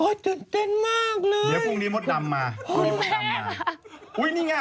โอ๊ยเต็มเต็นมากเลยเดี๋ยวพรุ่งนี้มดดำมาโอ้ยแม่ล่ะอุ้ยนี่ไง